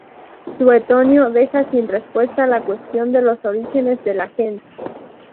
Suetonio deja sin respuesta la cuestión de los orígenes de la "gens".